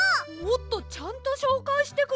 もっとちゃんとしょうかいしてください。